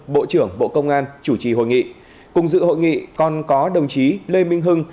bộ trưởng bộ công an chủ trì hội nghị cùng dự hội nghị còn có đồng chí lê minh hưng